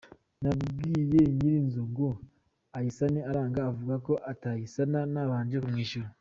Nabwiye nyirinzu ngo ayisane aranga avuga ko atayisana ntabanje kumwishyura.